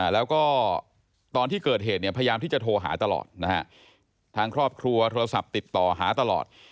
แล้วก็ตอนที่เกิดเหตุเนี่ยพยายามที่จะโทรหาตลอดนะฮะทางครอบครัวโทรศัพท์ติดต่อหาตลอด